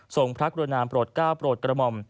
ทรงพระกรุณาปโลทก้าลปุรดกระหม่อ